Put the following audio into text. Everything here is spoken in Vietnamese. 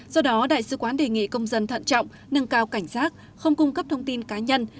do đó đại sứ quán đề nghị công dân thận trọng nâng cao cảnh giác không cung cấp thông tin cá nhân